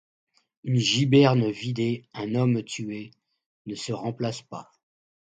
Une giberne vidée, un homme tué, ne se remplacent pas.